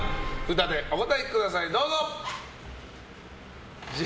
お答えください、どうぞ。